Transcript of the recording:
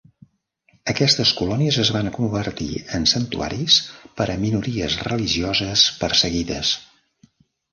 Aquestes colònies es van convertir en santuaris per a minories religioses perseguides.